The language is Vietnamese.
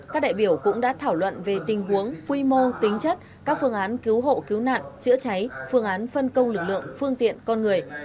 các đại biểu cũng đã thảo luận về tình huống quy mô tính chất các phương án cứu hộ cứu nạn chữa cháy phương án phân công lực lượng phương tiện con người